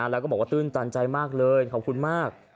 แล้วก็บอกว่าตื้นตันใจมากเลยขอบคุณมาก